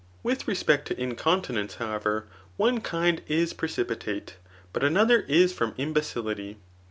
With respect to incoodnence, however, one kind is precipitate, but another is from imbeciUt7.